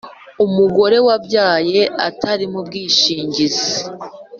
Umugore wabyaye atari mu bwishingizi